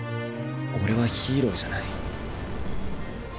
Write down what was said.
俺はヒーローじゃない。